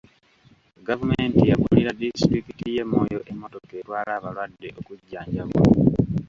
Gavumenti yagulira disitulikiti y'e Moyo emmotoka etwala abalwadde okujjanjabwa.